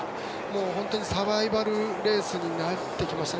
本当にサバイバルレースになってきましたね。